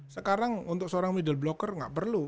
sekarang untuk seorang middle blocker nggak perlu